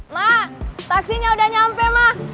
ma taksinya udah nyampe ma